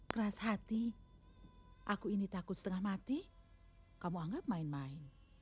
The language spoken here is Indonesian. keras hati aku ini takut setengah mati kamu anggap main main